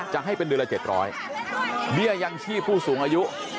จะให้เป็นเดือนละ๗๐๐เบี้ยยังชีพผู้สูงอายุ